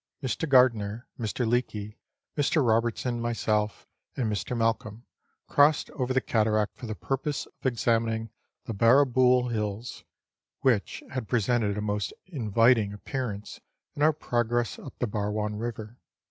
Mr. Gardiner, Mr. Leake, Mr. Robertson, myself, and Mr. Malcolm crossed over the cataract for the purpose of examining the Barrabool Hills, which had presented a most inviting appearance in our progress up the Barwon River.